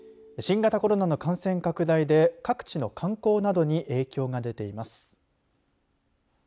新型コロナの感染拡大で各地の観光などに影響が出ています。